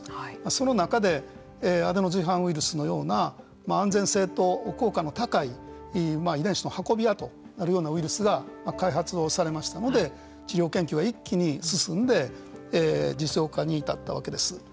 その中で、アデノ随伴ウイルスのような安全性と効果の高い遺伝子の運び屋となるようなウイルスが開発をされましたので治療研究が一気に進んで実用化に至ったわけです。